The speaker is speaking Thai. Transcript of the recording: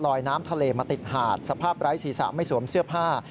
น้ำทะเลมาติดหาดสภาพไร้ศีรษะไม่สวมเสื้อผ้า